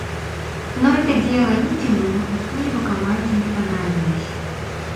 Но это дело ни Тимуру, ни его команде не понравилось.